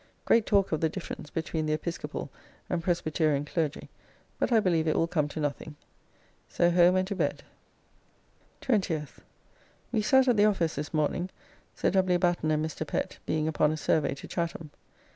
Great talk of the difference between the Episcopal and Presbyterian Clergy, but I believe it will come to nothing. So home and to bed. 20th. We sat at the office this morning, Sir W. Batten and Mr. Pett being upon a survey to Chatham.